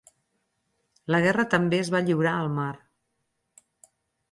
La guerra també es va lliurar al mar.